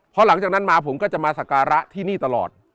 พอหลังจากนั้นมาผมก็จะมาสการะที่นี่ตลอด